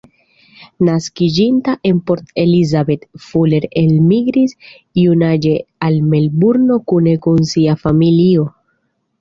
Naskiĝinta en Port Elizabeth, Fuller elmigris junaĝe al Melburno kune kun sia familio.